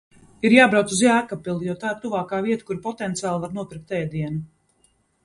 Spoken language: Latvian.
Ir jābrauc uz Jēkabpili, jo tā ir tuvākā vieta, kur potenciāli var nopirkt ēdienu.